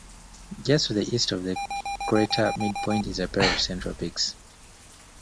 Just to the east of the crater midpoint is a pair of central peaks.